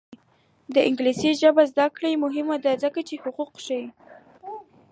د انګلیسي ژبې زده کړه مهمه ده ځکه چې حقوق ښيي.